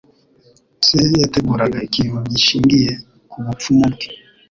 Se yateguraga ikintu gishingiye ku bupfumu bwe.